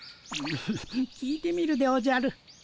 聞いてみるでおじゃる。